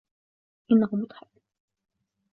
انه مضحك.